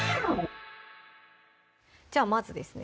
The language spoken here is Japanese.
じゃあまずですね